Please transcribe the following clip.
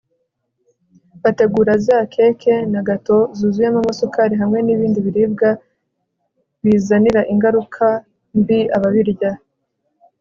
bategura za keke na gato zuzuyemo amasukari hamwe n'ibindi biribwa bizanira ingaruka mbi ababirya